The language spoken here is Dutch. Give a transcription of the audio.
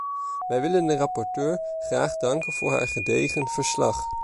Wij willen de rapporteur graag danken voor haar gedegen verslag.